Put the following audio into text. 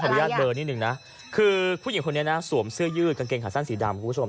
อนุญาตเบอร์นิดนึงนะคือผู้หญิงคนนี้นะสวมเสื้อยืดกางเกงขาสั้นสีดำคุณผู้ชม